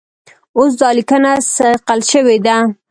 اوس دا لیکنه صیقل شوې ده.